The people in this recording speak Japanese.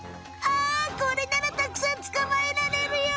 あこれならたくさんつかまえられるよ！